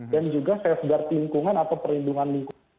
dan juga safeguard lingkungan atau perlindungan lingkungan